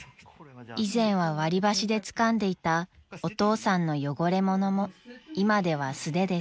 ［以前は割り箸でつかんでいたお父さんの汚れ物も今では素手です］